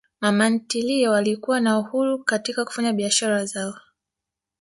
Mama ntilie walikuwa na uhuru katika kufanya biashara zao